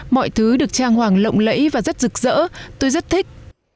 mọi thứ được trang hoàng lộng lẫy và rất rực rỡ tôi rất thích